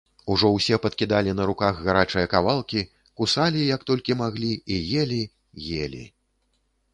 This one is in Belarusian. Ужо ўсе падкідалі на руках гарачыя кавалкі, кусалі як толькі маглі і елі, елі.